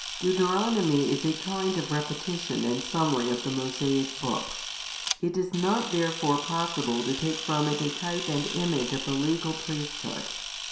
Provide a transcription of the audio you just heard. Deuteronomy is a kind of repetition and summary of the Mosaic books: it is not therefore possible to take from it a type and image of the legal priesthood.